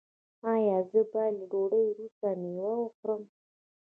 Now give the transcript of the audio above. ایا زه باید له ډوډۍ وروسته میوه وخورم؟